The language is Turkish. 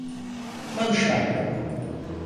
Konuşmak yok!